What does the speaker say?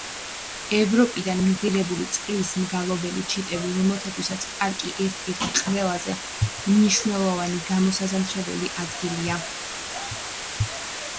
ნაკლებ შესამჩნევია ევროპიდან მიგრირებული წყლის მგალობელი ჩიტები, რომელთათვისაც პარკი ერთ-ერთი ყველაზე მნიშვნელოვანი გამოსაზამთრებელი ადგილია.